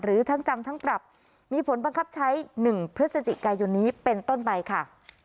หรือทั้งจำทั้งปรับมีผลบังคับใช้๑พฤศจิกายนนี้เป็นต้นไปค่ะ